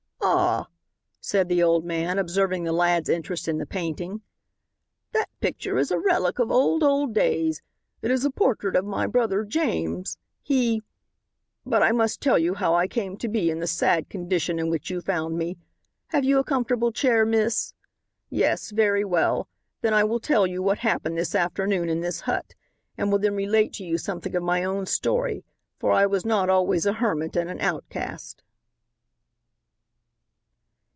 "Ah," said the old man, observing the lad's interest in the painting, "that picture is a relic of old, old days. It is a portrait of my brother James. He But I must tell you how I came to be in the sad condition in which you found me. Have you a comfortable chair, miss? Yes, very well, then I will tell you what happened this afternoon in this hut, and will then relate to you something of my own story for I was not always a hermit and an outcast."